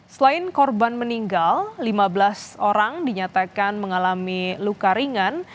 selain korban meninggal lima belas orang dinyatakan mengalami luka ringan